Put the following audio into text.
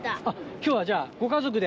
きょうはじゃあ、ご家族で？